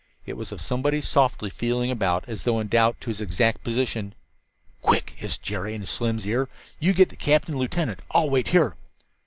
It was of someone softly feeling about, as though in doubt as to his exact position. "Quick!" hissed Slim into Jerry's ear. "You get the captain and lieutenant; I'll wait here."